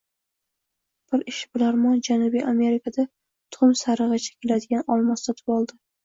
Bir ishbilarmon Janubiy Amerikada tuxum sarigʻicha keladigan olmos sotib oldi